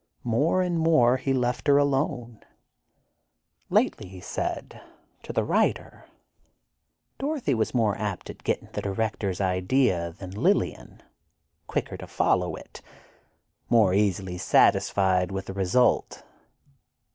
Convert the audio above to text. More and more he left her alone. Lately he said—to the writer: "Dorothy was more apt at getting the director's idea than Lillian, quicker to follow it, more easily satisfied with the result.